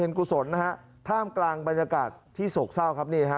กุศลนะฮะท่ามกลางบรรยากาศที่โศกเศร้าครับนี่ฮะ